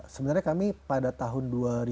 sebenarnya kami pada tahun